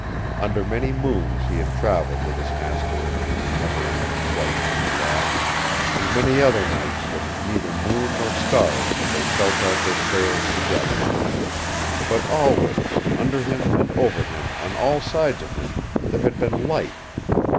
Under many moons he had traveled with his master in their never ending flight from the law, and many other nights with neither moon nor stars had they felt out their trails together. But always, under him and over him on all sides of him, there had been LIFE.